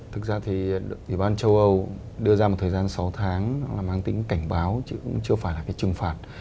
thực ra thì ủy ban châu âu đưa ra một thời gian sáu tháng là mang tính cảnh báo chứ cũng chưa phải là cái trừng phạt